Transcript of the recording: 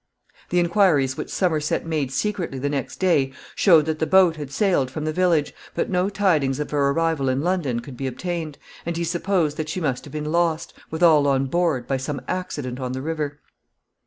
The inquiries which Somerset made secretly the next day showed that the boat had sailed from the village, but no tidings of her arrival in London could be obtained, and he supposed that she must have been lost, with all on board, by some accident on the river.